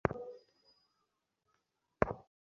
তিনি শিক্ষা গ্রহণ করেন।